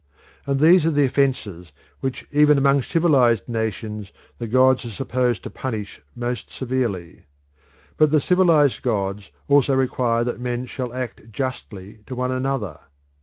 And these are the offences which even among civilised nations the gods are supposed to punish most severely. But the civilised gods also require that men shall act justly to one another.